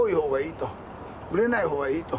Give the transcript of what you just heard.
熟れない方がいいと。